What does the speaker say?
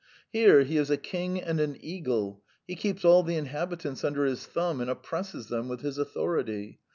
Here he is a king and an eagle; he keeps all the inhabitants under his thumb and oppresses them with his authority.